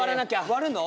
割るの？